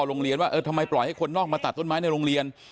โรงเรียนว่าเออทำไมปล่อยให้คนนอกมาตัดต้นไม้ในโรงเรียน